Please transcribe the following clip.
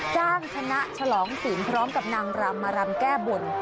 จ้างชนะฉลองศีลพร้อมกับนางรำมารำแก้บน